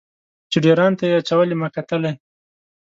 چې ډیر ان ته یې اچولې ما کتلی.